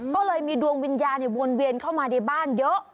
ก็เลยมีดวงวิญญาณวนเวียนเข้ามาในบ้านเยอะ